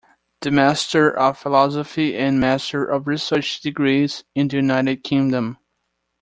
The Master of Philosophy and Master of Research degrees in the United Kingdom.